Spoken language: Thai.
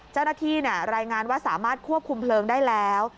เจ้าหน้าที่รายงานว่าสามารถควบคุมเพลิงได้แล้ว